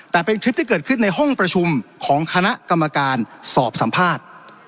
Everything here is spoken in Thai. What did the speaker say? แต่เป็นคลิปที่เกิดขึ้นในห้องประชุมของคณะกรรมการสอบสัมภาษณ์